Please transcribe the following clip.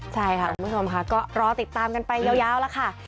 ใช่ค่ะคุณผู้ชมค่ะก็รอติดตามกันไปยาวแล้วค่ะ